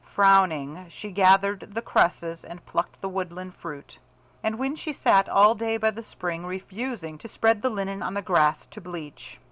Frowning, she gathered the cresses and plucked the woodland fruit. And then she sat all day by the spring, refusing to spread the linen on the grass to bleach.